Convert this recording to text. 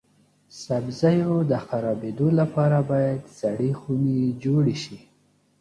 سبزیو د خرابیدو لپاره باید سړې خونې جوړې شي.